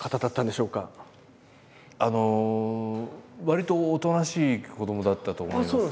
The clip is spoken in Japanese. わりとおとなしい子どもだったと思います。